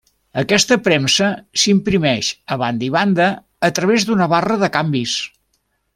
Aquesta premsa s'imprimeix a banda i banda, a través d'una barra de canvis.